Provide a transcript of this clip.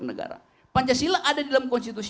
negara pancasila ada di dalam konstitusi